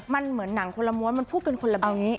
มันเหมือนหนังคนละม้วนมันพูดกันคนละแบบนี้